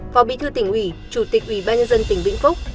phó bí thư tỉnh ủy chủ tịch ủy ban nhân dân tỉnh vĩnh phúc